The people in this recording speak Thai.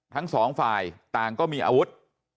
ทั้งสองฝ่ายต่างก็มีอาวุธ